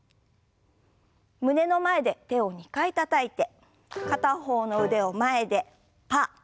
胸の前で手を２回たたいて片方の腕を前でパー。